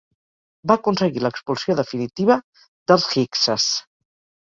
Va aconseguir l'expulsió definitiva dels hikses.